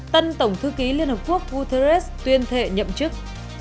tân tổng thư ký liên hợp quốc guterres tuyên thệ nhậm chức